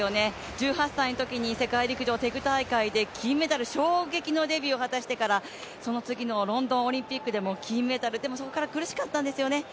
１８歳のときに世界陸上テグ大会で金メダル衝撃のデビューを果たしてから、その次のロンドンオリンピックでも金メダル、でもそこから苦しかったんですよね。